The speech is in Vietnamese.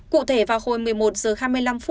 cụ thể vào hồi một mươi một h hai mươi năm